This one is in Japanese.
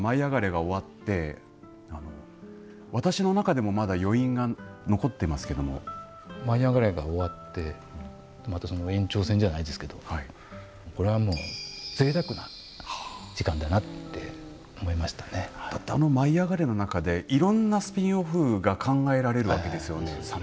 今、舞いあがれ！が終わって私の中でも、まだ余韻が舞いあがれ！が終わってその延長戦じゃないですけれどこれはもうぜいたくな時間だなあの舞いあがれ！の中でいろんなスピンオフが考えられるわけですよね。